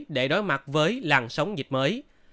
để đối mặt với làng sóng dịch mới